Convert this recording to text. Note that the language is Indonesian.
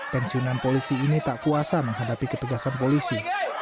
pensiunan polisi ini tak kuasa menghadapi ketugasan polisi